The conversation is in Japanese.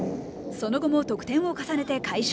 その後も得点を重ねて快勝。